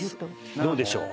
どうでしょう？